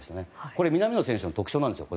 これ南野選手の特徴なんですよ